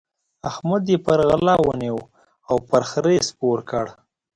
احمد يې پر غلا ونيو او پر خره يې سپور کړ.